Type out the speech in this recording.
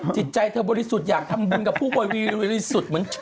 จิตใจเธอบริสุทธิ์อยากทำบุญกับผู้บริสุทธิ์เหมือน